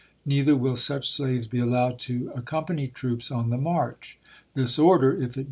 Neither will such slaves be allowed to accom serl^sni., pany troops on the march." This order, if it "376'.'